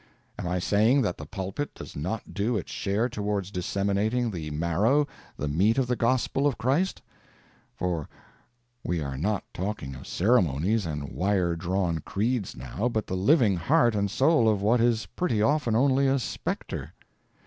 Am I saying that the pulpit does not do its share toward disseminating the marrow, the meat of the gospel of Christ? (For we are not talking of ceremonies and wire drawn creeds now, but the living heart and soul of what is pretty often only a spectre.)